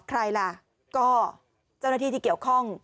ใครล่ะก็เจ้าหน้าที่ที่เกี่ยวข้อง